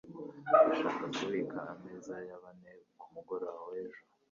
Ndashaka kubika ameza ya bane kumugoroba w'ejo.